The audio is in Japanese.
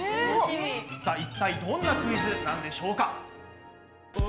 さあ一体どんなクイズなんでしょうか？